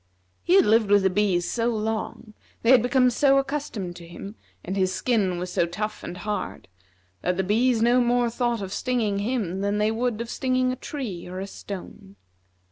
He had lived with the bees so long, they had become so accustomed to him, and his skin was so tough and hard, that the bees no more thought of stinging him than they would of stinging a tree or a stone.